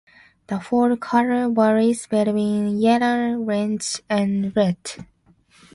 The fall color varies between yellow, orange and red.